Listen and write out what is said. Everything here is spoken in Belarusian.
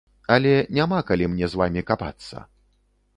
Але няма калі мне з вамі капацца.